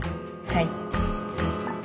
はい。